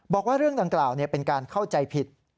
บอกว่าเรื่องดังกล่าวเป็นการเข้าใจผิด